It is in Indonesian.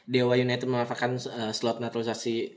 dewa united mengatakan slot naturalisasi